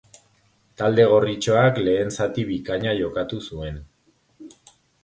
Talde gorritxoak lehen zati bikaina jokatu zuen.